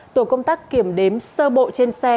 tổ công tác kiểm đếm sơ bộ trên xe